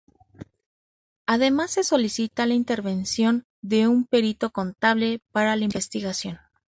Además se solicita la intervención de un perito contable para la investigación.